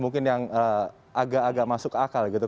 mungkin yang agak agak masuk akal gitu